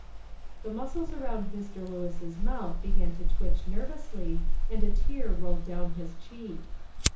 The muscles around Mr. Lewis's mouth began to twitch nervously, and a tear rolled down his cheek.